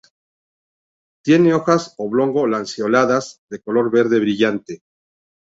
Tiene hojas oblongolanceoladas de color verde brillante.